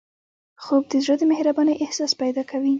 خوب د زړه د مهربانۍ احساس پیدا کوي